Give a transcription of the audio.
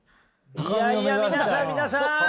いやいや皆さん皆さん！